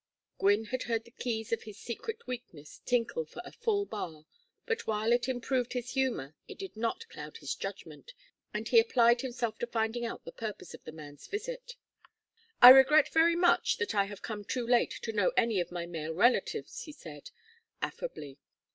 Gwynne had heard the keys of his secret weakness tinkle for a full bar, but while it improved his humor it did not cloud his judgment, and he applied himself to finding out the purpose of the man's visit. "I regret very much that I have come too late to know any of my male relatives," he said, affably.